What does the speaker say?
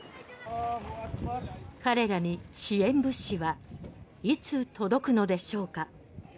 彼らに支援物資はいつ届くのでしょうか？